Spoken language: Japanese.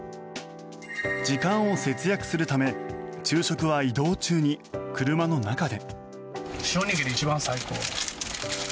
時間を節約するため昼食は移動中に車の中で。